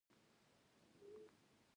تشویش کم کوه او خوب ډېر کوه .